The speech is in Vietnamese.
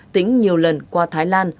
tỉnh nhiều lần qua thái lan